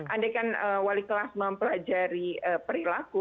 andaikan wali kelas mempelajari perilaku